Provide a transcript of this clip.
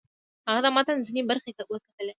هغه د متن ځینې برخې وکتلې.